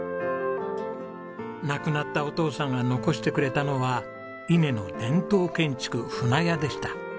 亡くなったお父さんが残してくれたのは伊根の伝統建築舟屋でした。